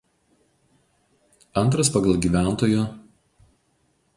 Antras pagal gyv.